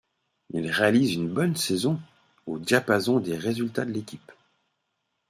Il réalise une bonne saison, au diapason des résultats de l'équipe.